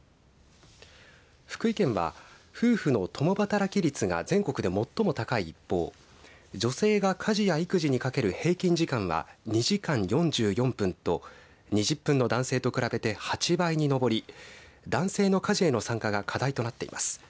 福井県は夫婦の共働き率が全国で最も高い一方女性が家事や育児にかける平均時間は２時間４４分と２０分の男性と比べて８倍に上り男性の家事への参加が課題となっています。